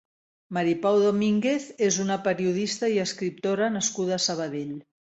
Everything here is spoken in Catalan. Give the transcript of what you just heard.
Mari Pau Domínguez és una periodista i escriptora nascuda a Sabadell.